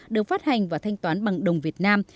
được phát hành và thanh toán bằng đồng việt nam